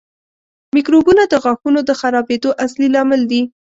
میکروبونه د غاښونو د خرابېدو اصلي لامل دي.